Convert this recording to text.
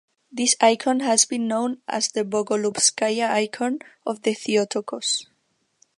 This icon has been known as the Bogolubskaya Icon of the Theotokos.